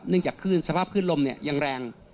เนื่องจากสภาพคลื่นลมยังแรง